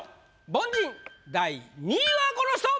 凡人第２位はこの人！